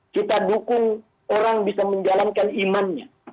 kita dukung orang bisa menjalankan imannya